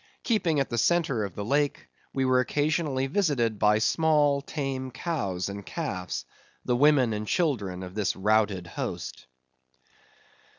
Keeping at the centre of the lake, we were occasionally visited by small tame cows and calves; the women and children of this routed host.